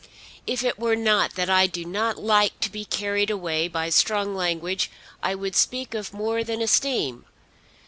If it were not that I do not like to be carried away by strong language I would speak of more than esteem.